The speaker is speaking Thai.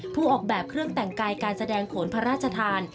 ออกแบบเครื่องแต่งกายการแสดงโขนพระราชทาน